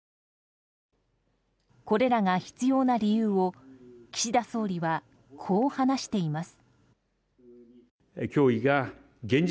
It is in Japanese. これらが必要な理由を岸田総理は、こう話しています。